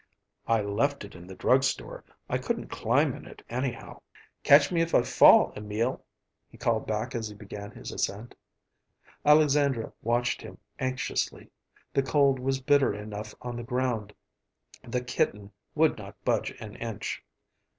"I left it in the drug store. I couldn't climb in it, anyhow. Catch me if I fall, Emil," he called back as he began his ascent. Alexandra watched him anxiously; the cold was bitter enough on the ground. The kitten would not budge an inch.